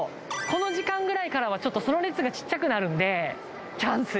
この時間ぐらいからはちょっとその列がちっちゃくなるんでチャンス